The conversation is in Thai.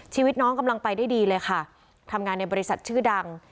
ชีวิตน้องกำลังไปได้ดีเลยค่ะทำงานในบริษัทชื่อดัง